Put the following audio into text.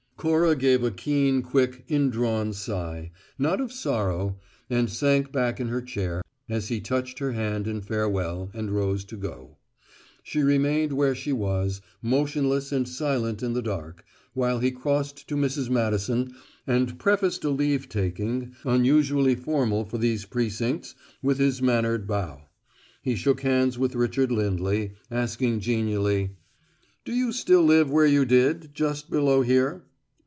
Cora gave a keen, quick, indrawn sigh not of sorrow and sank back in her chair, as he touched her hand in farewell and rose to go. She remained where she was, motionless and silent in the dark, while he crossed to Mrs. Madison, and prefaced a leave taking unusually formal for these precincts with his mannered bow. He shook hands with Richard Lindley, asking genially: "Do you still live where you did just below here?"